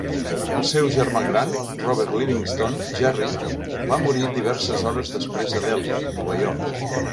El seu germà gran, Robert Livingston Gerry, va morir diverses hores després a Delhi, Nova York.